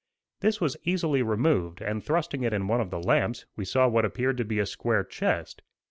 This was easily removed, and thrusting in one of the lamps, we saw what appeared to be a square chest.